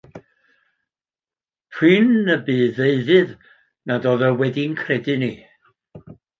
Prin y bu ddeuddydd nad oedd o wedi'n credu ni.